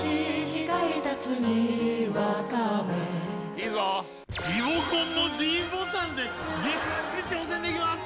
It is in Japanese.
いいぞリモコンのｄボタンでゲームに挑戦できます